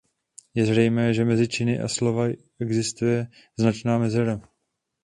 Je zřejmé, že mezi činy a slovy existuje značná mezera.